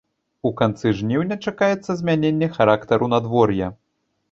У канцы жніўня чакаецца змяненне характару надвор'я.